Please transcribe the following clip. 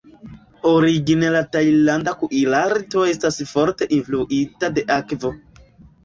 Origine la tajlanda kuirarto estas forte influita de akvo.